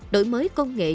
đổi mới công nghệ